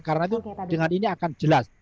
karena itu dengan ini akan jelas